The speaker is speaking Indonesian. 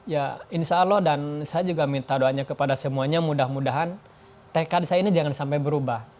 ya insya allah dan saya juga minta doanya kepada semuanya mudah mudahan tekad saya ini jangan sampai berubah